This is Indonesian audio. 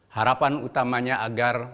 harapan utamanya agar